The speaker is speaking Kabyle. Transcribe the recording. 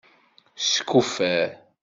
Skuffer.